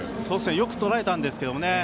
よくとらえたんですけどね。